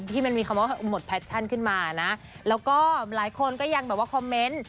ที่มันมีคำว่าหมดแพชชั่นขึ้นมานะแล้วก็หลายคนก็ยังแบบว่าคอมเมนต์